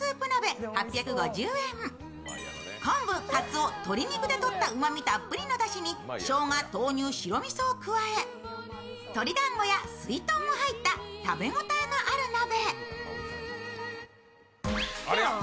こんぶ、かつお、鶏肉でとったうまみたっぷりのだしに、しょうが、豆乳、白みそを加え、鶏団子や、すいとんも入った食べ応えのある鍋。